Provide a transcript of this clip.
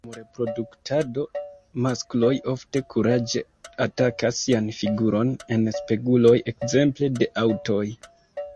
Dum reproduktado maskloj ofte kuraĝe atakas sian figuron en speguloj ekzemple de aŭtoj.